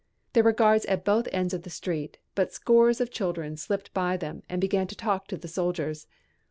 There were guards at both ends of the street, but scores of children slipped by them and began to talk to the soldiers.